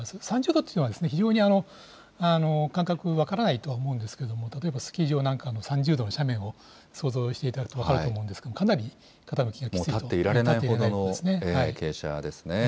３０度というのは、非常に感覚分からないとは思うんですけれども、例えばスキー場なんかの３０度の斜面を想像していただくと分かると思うんですが、かなり傾きがきもう立っていられないほどの傾斜ですね。